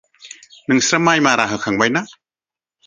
नोंस्रा माइ मारा होखांबाय ना?